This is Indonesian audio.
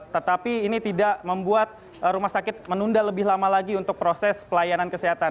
tetapi ini tidak membuat rumah sakit menunda lebih lama lagi untuk proses pelayanan kesehatan